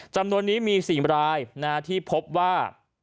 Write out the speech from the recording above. จำนวนนี้มี๔รายที่พบว่า